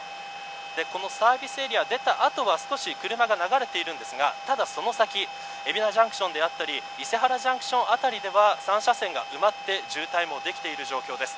このサービスエリア出た後は少し車が流れているんですがただその先海老名ジャンクションや伊勢原ジャンクション辺りでは３車線が埋まって渋滞もできている状態です。